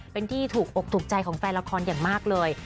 เป็นที่ถูกอกถูกใจของแฟนละครอย่างมากเลย